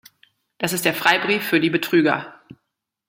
Das ist der Freibrief für die Betrüger.